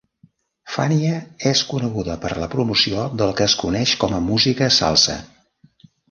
Fania és coneguda per la promoció del que és coneix com a música salsa.